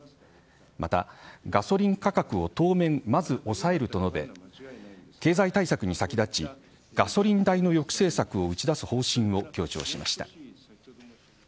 またガソリン価格を当面まず抑えると述べ経済対策に先立ちガソリン代の抑制策を打ち出す方針を強調しました。